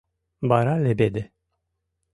Вара леведе